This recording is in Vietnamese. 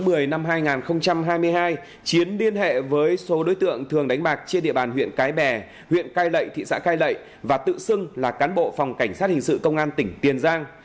tháng một mươi năm hai nghìn hai mươi hai chiến liên hệ với số đối tượng thường đánh bạc trên địa bàn huyện cái bè huyện cai lệ thị xã cai lậy và tự xưng là cán bộ phòng cảnh sát hình sự công an tỉnh tiền giang